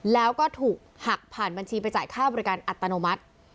แล้วก็ถูกหักผ่านบัญชีไปจ่ายค่าบริการอัตโนมัติ